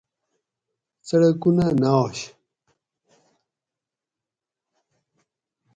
څڑکونہ نہ آش